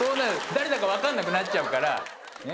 誰だか分かんなくなっちゃうから。